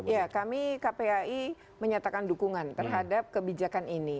ya kami kpai menyatakan dukungan terhadap kebijakan ini